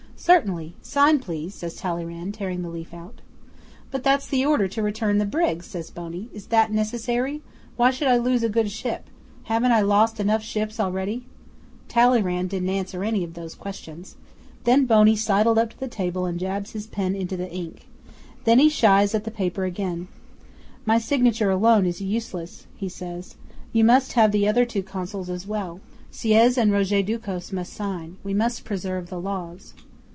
'"Certainly. Sign, please," says Talleyrand, tearing the leaf out. '"But that's the order to return the brig," says Boney. "Is that necessary? Why should I lose a good ship? Haven't I lost enough ships already?" 'Talleyrand didn't answer any of those questions. Then Boney sidled up to the table and jabs his pen into the ink. Then he shies at the paper again: "My signature alone is useless," he says. "You must have the other two Consuls as well. Sieyes and Roger Ducos must sign. We must preserve the Laws."